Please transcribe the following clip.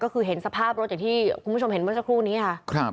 ก็คือเห็นสภาพรถอย่างที่คุณผู้ชมเห็นเมื่อสักครู่นี้ค่ะ